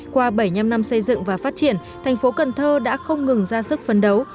qua bảy mươi năm năm xây dựng và phát triển thành phố cần thơ đã không ngừng ra sức phấn đấu